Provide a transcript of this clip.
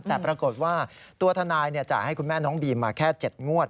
แต่ปรากฏว่าตัวทนายจ่ายให้คุณแม่น้องบีมมาแค่๗งวด